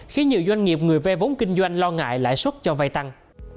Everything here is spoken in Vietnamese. khi nhiều doanh nghiệp người ve vốn kinh doanh lo ngại lãi suất cho vay tăng